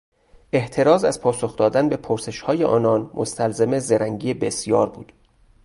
احتراز از پاسخ دادن به پرسشهای آنان مستلزم زرنگی بسیار بود.